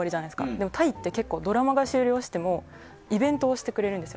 でも、タイってドラマが終了してもイベントをしてくれるんですよ。